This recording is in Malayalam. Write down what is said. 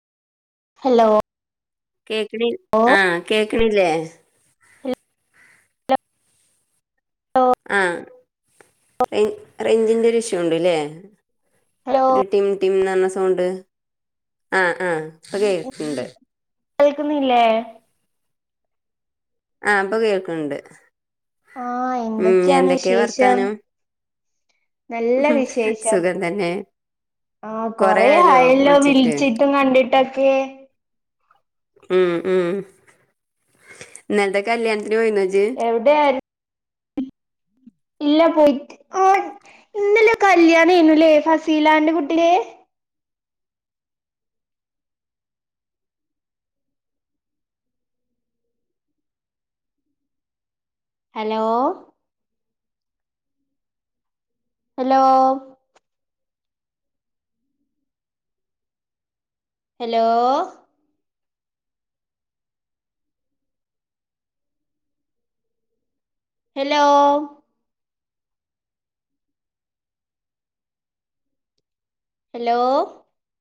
ഹലോ കേക്കണി ആഹ് കേക്ക്ണില്ലേ? ആഹ് റേ റേഞ്ചിന്റെ ഒരു ഇഷ്യൂ ണ്ട്ല്ലേ ഹലോ ര് ടിം ടിം ർന്ന സൗണ്ട് ആഹ് ആഹ് ഇപ്പ കേൾക്ക്ണ്ട് കേൾക്കുന്നില്ലേ? ആഹ് പ്പൊ കേൾക്ക്ണ്ട് ആഹ് ഉം എന്തൊക്കെയാണ് എന്തൊക്കെ വിശേഷം വർത്താനം നല്ല വിശേഷം സുഖം തന്നെ ആഹ് കൊറെ കൊറെയായല്ലോ അയല്ലോ വിളിച്ചിട്ട് വിളിച്ചിട്ടും കണ്ടിട്ടൊക്കെ ഉം ഉം ഇന്നൽത്തെ കല്യാണത്തിന് പോയിന്നോ ഇജ് വിടെ ഇല്ല പോയിറ്റ് ഉം ഇന്നലെ കല്യാണം അയ്നുല്ലേ ഫസീലാന്റെ കുട്ടിടെ hello hello hello hello hello